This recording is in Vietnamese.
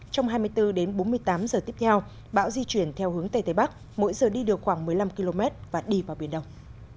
trong hai mươi bốn đến bốn mươi tám giờ tiếp theo bão di chuyển theo hướng tây tây bắc mỗi giờ đi được khoảng một mươi năm km và đi vào biển đông